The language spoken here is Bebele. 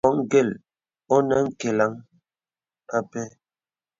Mɔ gèl ìnə̀ nkelaŋ â pɛ.